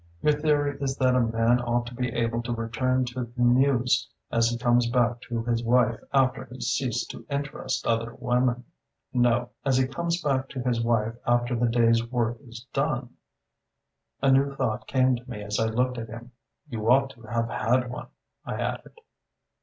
"Your theory is that a man ought to be able to return to the Muse as he comes back to his wife after he's ceased to interest other women?" "No; as he comes back to his wife after the day's work is done." A new thought came to me as I looked at him. "You ought to have had one," I added.